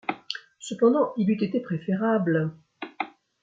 Cependant, il eût été préférable. .